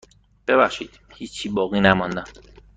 ببخشید هیچی باقی نمانده.